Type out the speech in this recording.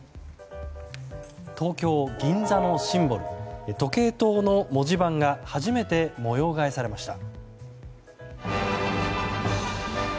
東京・銀座のシンボル時計塔の文字盤が初めて模様替えされました。